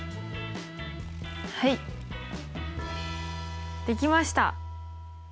はいできました。